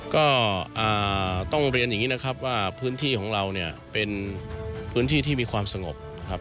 ก็ต้องเรียนอย่างนี้นะครับว่าพื้นที่ของเราเนี่ยเป็นพื้นที่ที่มีความสงบนะครับ